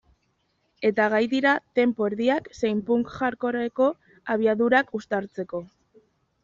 Eta gai dira tempo erdiak zein punk-hardcoreko abiadurak uztartzeko.